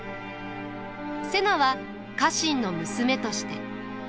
瀬名は家臣の娘として。